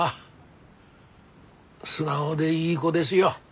素直でいい子ですよ